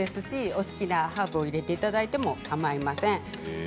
お好きなハーブを入れていただいてもかまいません。